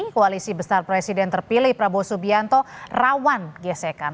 koalisi besar presiden terpilih prabowo subianto rawan gesekan